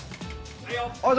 はいよ。